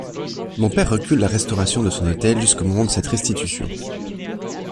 Mon père recule la restauration de son hôtel jusqu’au moment de cette restitution.